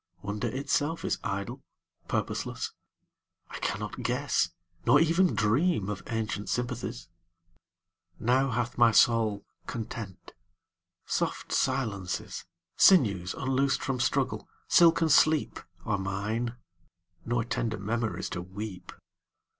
Wonder itself is idle, purposeless; I cannot guess Nor even dream of ancient sympathies. Now hath my soul content. Soft silences, Sinews unloosed from struggle, silken sleep, 27 Are mine; nor tender memories to weep.